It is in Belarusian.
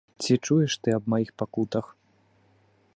Ці чуеш ты аб маіх пакутах?